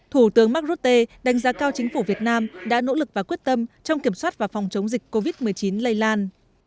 thủ tướng mark rutte đánh giá cao chính phủ việt nam đã nỗ lực và quyết tâm trong kiểm soát và phòng chống dịch covid một mươi chín lây lan